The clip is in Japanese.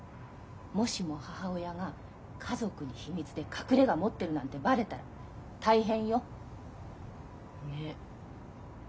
もしも母親が家族に秘密で隠れが持ってるなんてバレたら大変よ。ね。